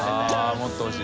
もっとほしい。